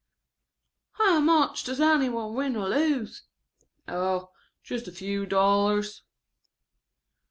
"How much does any one win or lose?" "Oh, just a few dollars."